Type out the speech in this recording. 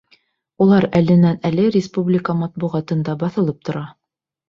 Улар әленән-әле республика матбуғатында баҫылып тора.